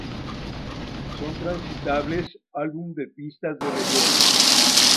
Son transitables álbum de pistas de relleno".